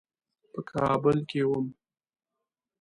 په کابل کې وم.